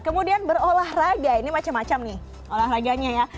kemudian berolahraga ini macam macam nih olahraganya ya